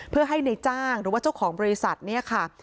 เพื่อให้ในจ้างหรือว่าเจ้าของบริษัทเนี่ยค่ะ